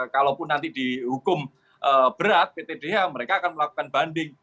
kalaupun nanti dihukum berat ptdh mereka akan melakukan banding